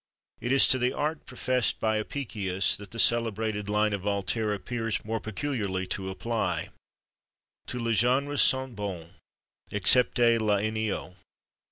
It is to the art professed by Apicius that the celebrated line of Voltaire appears more peculiarly to apply: "Tous les genres sont bons, excepté l'ennuyeux."